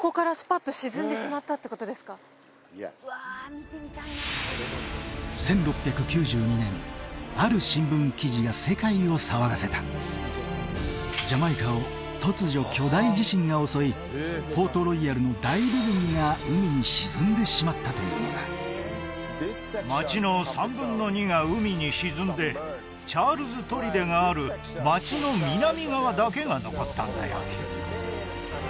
海がイエス１６９２年ある新聞記事が世界を騒がせたジャマイカを突如巨大地震が襲いポートロイヤルの大部分が海に沈んでしまったというのだ街の３分の２が海に沈んでチャールズ砦がある街の南側だけが残ったんだよ